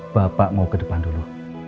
bapak mau ke depan dulu